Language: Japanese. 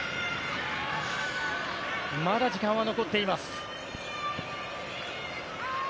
まだ時間は残っています。